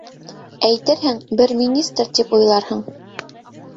Әйтерһең, бер министр тип уйларһың.